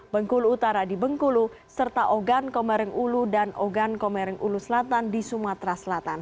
bengkulu utara di bengkulu serta ogan komering ulu dan ogan komering ulu selatan di sumatera selatan